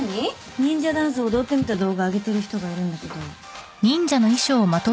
忍者ダンス踊ってみた動画上げてる人がいるんだけど。